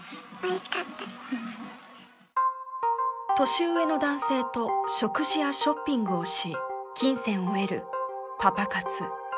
年上の男性と食事やショッピングをし金銭を得るパパ活。